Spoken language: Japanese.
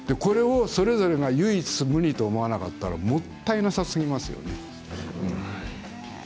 それぞれが唯一無二と思わなかったらもったいなさすぎますよね。